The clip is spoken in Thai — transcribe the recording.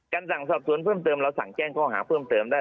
สั่งสอบสวนเพิ่มเติมเราสั่งแจ้งข้อหาเพิ่มเติมได้